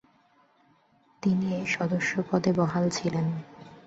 তিনি এই সদস্যপদে বহাল ছিলেন।